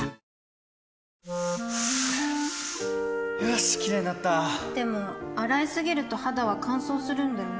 よしキレイになったでも、洗いすぎると肌は乾燥するんだよね